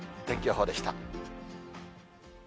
天気予報でした。